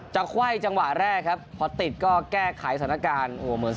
ไขว้จังหวะแรกครับพอติดก็แก้ไขสถานการณ์โอ้โห